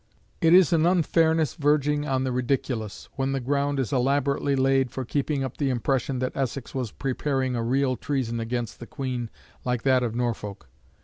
It is an unfairness verging on the ridiculous, when the ground is elaborately laid for keeping up the impression that Essex was preparing a real treason against the Queen like that of Norfolk.